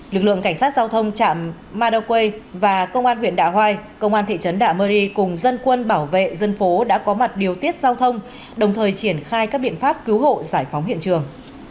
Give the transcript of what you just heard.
lực lượng cảnh sát giao thông chạm madaway và công an huyện đạ hoai công an thị trấn đạ mơ ri cùng dân quân bảo vệ dân phố đã có mặt điều tiết giao thông đồng thời triển khai các biện pháp cứu hộ giải phóng hiện trường